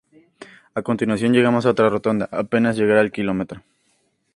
A continuación llegamos a otra rotonda, apenas llegar al Km.